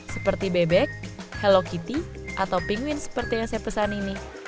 seperti bebek hello kitty atau pingwin seperti yang saya pesan ini